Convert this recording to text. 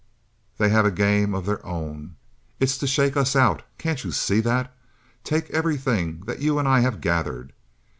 They have a game of their own. It's to shake us out—can't you see that? Take everything that you and I have gathered.